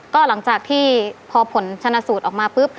ก็หลังจากที่พอผลชนะสูตรออกมาปุ๊บ